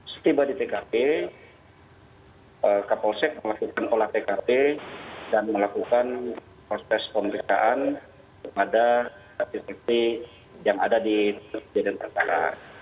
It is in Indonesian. setiba di pkp kapolsek melakukan olah pkp dan melakukan proses pemeriksaan kepada aktiviti yang ada di jadwal antara